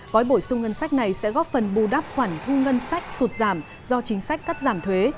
gói bổ sung ngân sách này sẽ góp phần bù đắp khoản thu ngân sách sụt giảm do chính sách cắt giảm thuế